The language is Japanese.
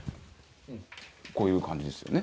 こういう感じですよね。